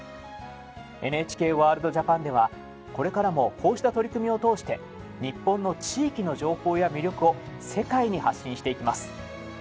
ＮＨＫワールドＪＡＰＡＮではこれからもこうした取り組みを通して日本の地域の情報や魅力を世界に発信していきます。